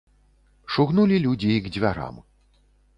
Шугнулі людзі і к дзвярам.